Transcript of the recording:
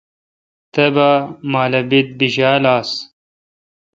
تبا مالہ ببیت بیشال آآس